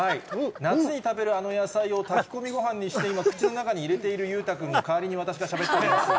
夏に食べるあの野菜を炊き込みごはんにして、今、口の中に入れている裕太君の代わりに私がしゃべっております。